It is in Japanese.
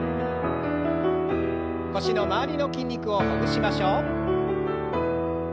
腰の周りの筋肉をほぐしましょう。